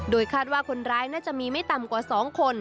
คาดว่าคนร้ายน่าจะมีไม่ต่ำกว่า๒คน